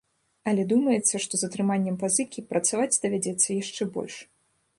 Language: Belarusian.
Але думаецца, што з атрыманнем пазыкі, працаваць давядзецца яшчэ больш.